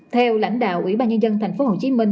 theo lãnh đạo ủy ban nhân dân tp hcm